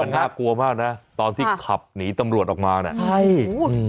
น่ากลัวมากนะตอนที่ขับหนีตำรวจออกมาเนี่ยใช่อืม